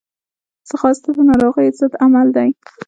ځغاسته د ناروغیو ضد عمل دی